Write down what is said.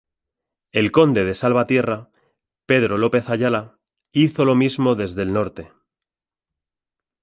El conde de Salvatierra, Pedro López de Ayala, hizo lo mismo desde el norte.